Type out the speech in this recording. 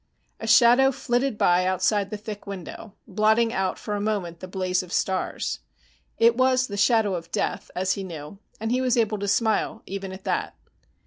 A shadow flitted by outside the thick window, blotting out for a moment the blaze of stars. It was the shadow of death, as he knew, and he was able to smile even at that.